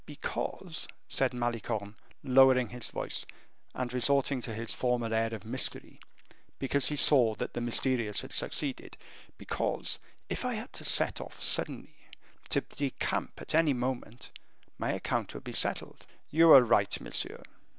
"Because," said Malicorne, lowering his voice, and resorting to his former air of mystery, because he saw that the mysterious had succeeded, "because if I had to set off suddenly, to decamp at any moment, my account would be settled." "You are right, monsieur."